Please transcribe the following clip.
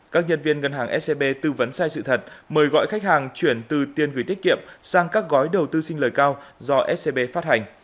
các nhân viên ngân hàng scb tư vấn sai sự thật mời gọi khách hàng chuyển từ tiền gửi tiết kiệm sang các gói đầu tư xin lời cao do scb phát hành